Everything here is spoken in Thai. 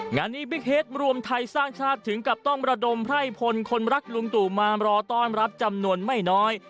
งานนี้บิ๊กเฮดรวมไทยสร้างชาติถึงกับต้องระดมไพร่พลคนรักลุงตู่มารอต้อนรับจำนวนไม่น้อย